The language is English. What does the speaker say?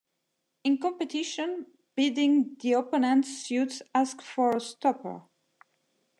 In competition, bidding the opponent's suit asks for a stopper.